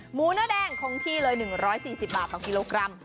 เนื้อแดงคงที่เลย๑๔๐บาทต่อกิโลกรัม